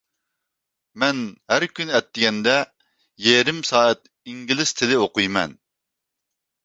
مەن ھەر كۈنى ئەتىگەندە يېرىم سائەت ئىنگلىز تىلى ئوقۇيمەن.